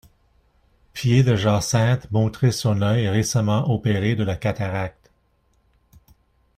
Pied-de-Jacinthe montrait son œil récemment opéré de la cataracte.